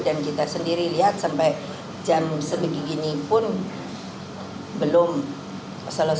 dan kita sendiri lihat kalau untuk memilih hal itu dapat berjalan dengan baik dan kita sendiri lihat kalau nanti dikatakan siang hari ini oleh saya dan teman teman saya yang di sini